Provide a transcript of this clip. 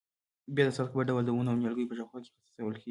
بیا د څاڅکو په ډول د ونو او نیالګیو په شاوخوا کې څڅول کېږي.